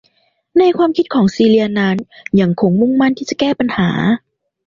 ในความคิดของซีเลียนั้นยังคงมุ่งมั่นที่จะแก้ปัญหา